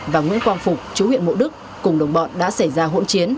và nguyễn quang phục chú huyện mộ đức cùng đồng bọn đã xảy ra hỗn chiến